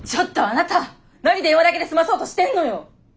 なに電話だけで済まそうとしてんのよ！